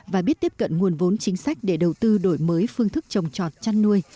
và biết tiếp cận nguồn vốn chính sách để đầu tư đổi mới phương thức trồng trọt chăn nuôi